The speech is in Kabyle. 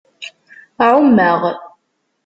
Ɛumeɣ.